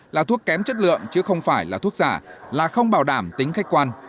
là thuốc kém chất lượng chứ không phải là thuốc giả là không bảo đảm tính khách quan